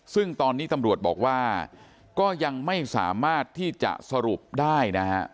ซึ่งตอนนี้ตำรวจบอกว่าก็ยังไม่สามารถที่จะสรุปได้นะฮะ